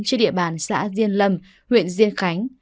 trên địa bàn xã diên lâm huyện diên khánh